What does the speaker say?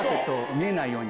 見えないように。